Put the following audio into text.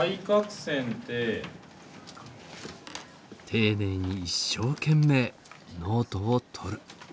丁寧に一生懸命ノートを取る。